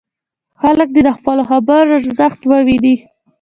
خلک دې د خپلو خبرو ارزښت وویني.